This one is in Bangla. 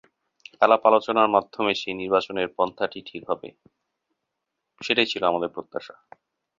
আলাপ-আলোচনার মাধ্যমে সেই নির্বাচনের পন্থাটি ঠিক হবে, সেটাই ছিল আমাদের প্রত্যাশা।